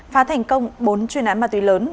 phá thành công bốn chuyên án ma túy lớn